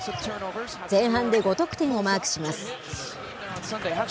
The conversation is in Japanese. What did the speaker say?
前半で５得点をマークします。